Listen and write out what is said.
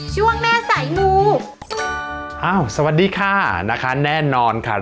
ช่วงแม่สายมูอ้าวสวัสดีค่ะนะคะแน่นอนค่ะ